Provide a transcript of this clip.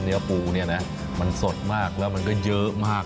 เนื้อปูเนี่ยนะมันสดมากแล้วมันก็เยอะมาก